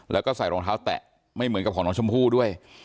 แล้วก็ใส่รองเท้าแตะไม่เหมือนกับของน้องชมพู่ด้วย